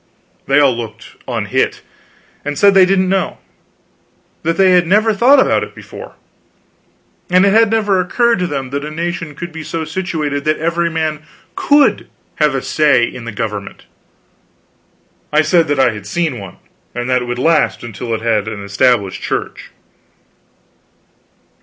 They all looked unhit, and said they didn't know; that they had never thought about it before, and it hadn't ever occurred to them that a nation could be so situated that every man could have a say in the government. I said I had seen one and that it would last until it had an Established Church.